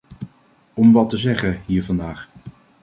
Om wat te zeggen, hier vandaag?